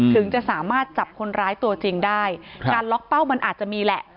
ถึงจะสามารถจับคนร้ายตัวจริงได้การล็อกเป้ามันอาจจะมีแหละ